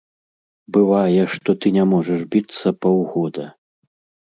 Бывае, што ты не можаш біцца паўгода.